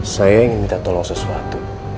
saya ingin minta tolong sesuatu